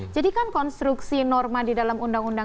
kan konstruksi norma di dalam undang undang